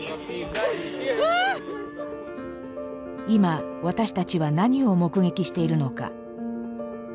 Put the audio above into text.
今私たちは何を目撃しているのか。